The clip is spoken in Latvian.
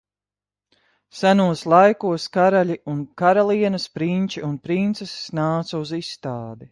Senos laikos karaļi un karalienes, prinči un princeses nāca uz izstādi.